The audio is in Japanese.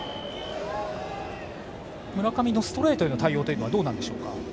村上のストレートへの対応はどうでしょうか。